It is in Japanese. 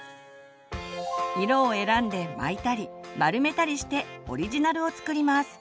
色を選んで巻いたり丸めたりしてオリジナルを作ります。